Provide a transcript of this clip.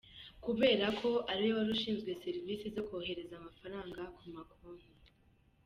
Kubera ko ariwe wari ushinzwe serivisi yo kohereza amafaranga ku ma konti.